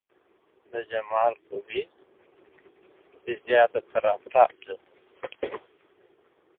د جمال خوبي دې زياته تر افتاب ده